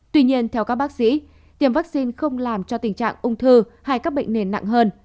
tuy nhiên theo các bác sĩ tiêm vaccine không làm cho tình trạng ung thư hay các bệnh nền nặng hơn